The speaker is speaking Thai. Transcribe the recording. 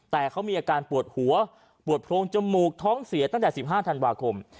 แต่เขามีอาการปวดหัวปวดโพรงจมูกท้องเสียตั้งแต่๑๕ธันวาคม